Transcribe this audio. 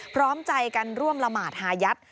พร้อมใจกันร่วมละหมาดฮายัด